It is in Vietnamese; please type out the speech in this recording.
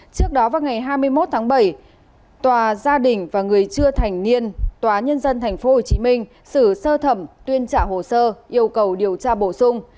trước đó vào ngày hai mươi một tháng bảy tòa gia đình và người chưa thành niên tòa nhân dân tp hcm xử sơ thẩm tuyên trả hồ sơ yêu cầu điều tra bổ sung